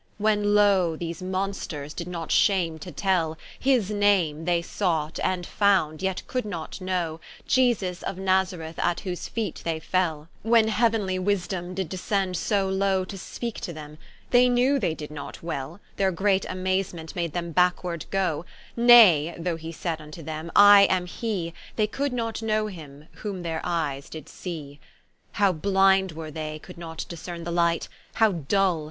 When loe these Monsters did not shame to tell, His name, they sought, and found, yet could not know Iesus of Nazareth, at whose feet they fell, When Heauenly Wisdome did descend so lowe To speake to them: they knew they did not well, Their great amazement made them backeward goe: Nay, though he said vnto them, I am he, They could not know him, whom their eyes did see. How blinde were they could not discerne the Light! How dull!